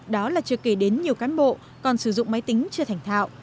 đó là chưa kể đến nhiều cán bộ còn sử dụng máy tính chưa thành thạo